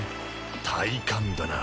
体幹だな。